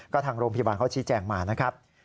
ก็ทางโรงพยาบาลเขาชี้แจงมานะครับ